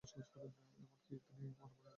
এমন-কি, তিনি মনে মনে একটু হাসিলেন।